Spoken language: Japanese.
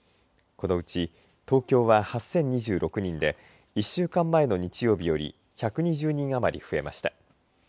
このうち東京は８０２６人で１週間前の日曜日より１２０人余り増えました。